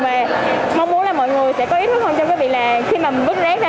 và mong muốn là mọi người sẽ có ý thức hơn trong cái việc là khi mà vứt rác ra